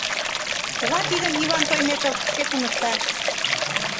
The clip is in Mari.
Чыла тидым Иван Тойметов шке туныкта.